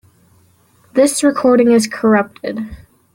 This recording is corrupted.